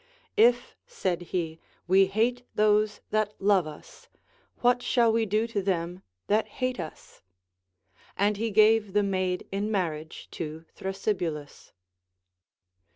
If, said he, we hate those that love us, Avhat shall we do to them that hate us] — and he gave the maid in marriage to Thrasybulus.